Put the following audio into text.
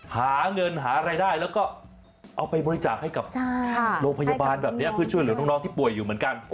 หาเงินหารายได้ลงไปบริจาคให้กับโรงพยาบาลฟื้นช่วยหรือน้องที่ป่วยอยู่เหมือนกัน